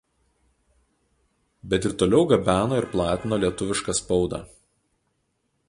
Bet ir toliau gabeno ir platino lietuvišką spaudą.